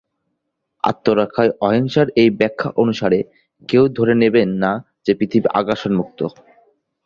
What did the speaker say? আত্মরক্ষায় অহিংসার এই ব্যাখ্যা অনুসারে, কেউ ধরে নেবেন না যে পৃথিবী আগ্রাসন মুক্ত।